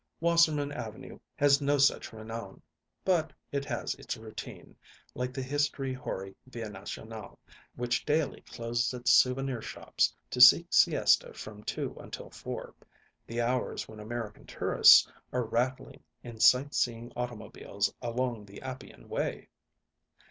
Wasserman Avenue has no such renown; but it has its routine, like the history hoary Via Nazionale, which daily closes its souvenir shops to seek siesta from two until four, the hours when American tourists are rattling in sight seeing automobiles along the Appian Way.